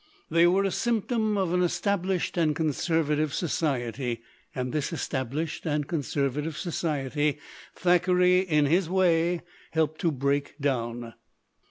They were a symptom of an established and conservative society. And this established and conservative society Thackeray in his way helped to break down.